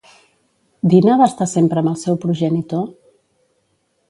Dina va estar sempre amb el seu progenitor?